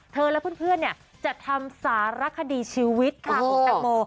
และเพื่อนจะทำสารคดีชีวิตค่ะคุณแตงโม